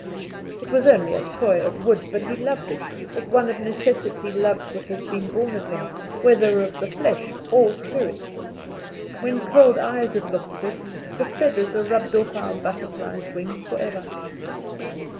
It was only a toy of wood, but he loved it, as one of necessity loves what has been born of him, whether of the flesh or spirit. When cold eyes have looked at it, the feathers are rubbed off our butterfly's wing forever.